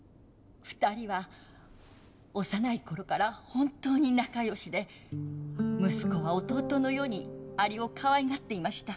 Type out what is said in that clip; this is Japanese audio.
２人は幼い頃から本当に仲よしで息子は弟のようにアリをかわいがっていました。